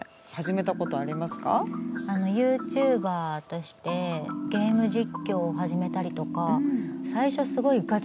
ＹｏｕＴｕｂｅｒとしてゲーム実況を始めたりとか最初すごいガチガチでしたね。